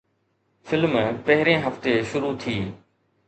film پهرين هفتي شروع ٿي